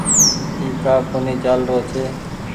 اي ڪآ ڪونيٚ چآلرو ڇي۔